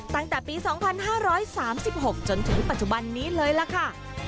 ตั้งแต่ปี๒๕๓๖จนถึงปัจจุบันนี้เลยล่ะค่ะ